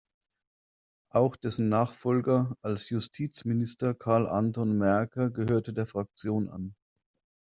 Auch dessen Nachfolger als Justizminister, Karl Anton Maerker, gehörte der Fraktion an.